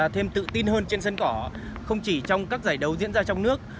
thêm tự tin hơn trên sân cỏ không chỉ trong các giải đấu diễn ra trong nước